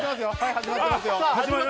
始まってますよ。